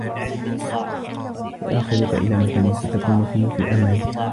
سآخذك إلى مكان ستكون فيه في أمان.